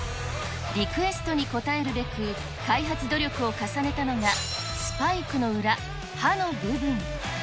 リクエストに応えるべく、開発努力を重ねたのがスパイクの裏、刃の部分。